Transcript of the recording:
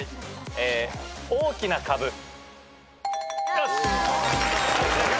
よし！